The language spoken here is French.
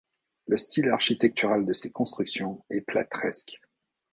Le style architectural de ces constructions est plateresque.